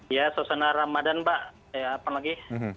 ya suasana ramadan mbak apa lagi